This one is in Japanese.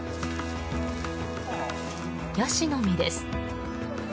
ヤシの実です。